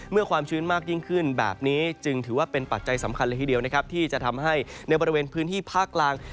ความชื้นมากยิ่งขึ้นแบบนี้จึงถือว่าเป็นปัจจัยสำคัญเลยทีเดียวนะครับที่จะทำให้ในบริเวณพื้นที่ภาคกลาง